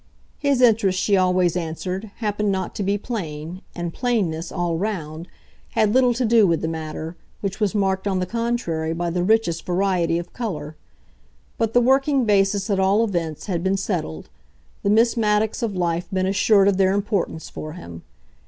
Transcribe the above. His interest, she always answered, happened not to be "plain," and plainness, all round, had little to do with the matter, which was marked, on the contrary, by the richest variety of colour; but the working basis, at all events, had been settled the Miss Maddocks of life been assured of their importance for him.